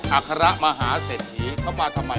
อาฆาระมหาเสถียเข้ามาทำไม